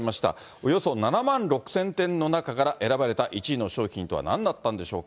およそ７万６０００点の中から選ばれた１位の商品とはなんだったんでしょうか。